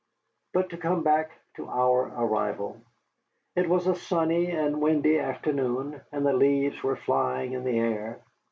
But to come back to our arrival. It was a sunny and windy afternoon, and the leaves were flying in the air.